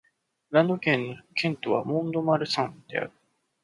ランド県の県都はモン＝ド＝マルサンである